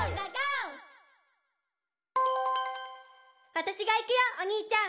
「わたしが行くよおにいちゃん」